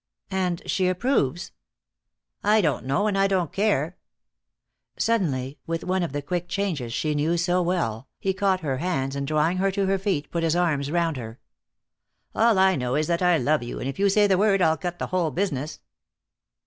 "And she approves?" "I don't know and I don't care." Suddenly, with one of the quick changes she knew so well, he caught her hands and drawing her to her feet, put his arms around her. "All I know is that I love you, and if you say the word I'll cut the whole business."